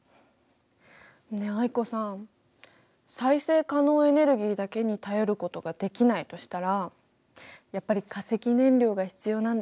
ねえ藍子さん再生可能エネルギーだけに頼ることができないとしたらやっぱり化石燃料が必要なんだね。